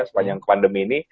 sepanjang pandemi ini